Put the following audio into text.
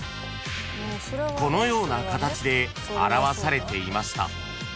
［このような形で表されていました］